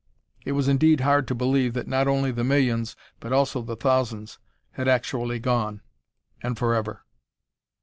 It was indeed hard to believe that not only the millions, but also the thousands, had actually gone, and forever.